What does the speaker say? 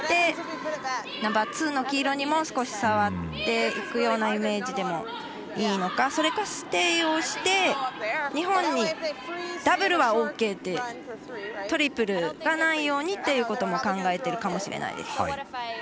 ナンバーツーの黄色にも少し触っていくようなイメージでもいいのか、それかステイをして日本にダブルはＯＫでトリプルがないようにってことも考えているかもしれないです。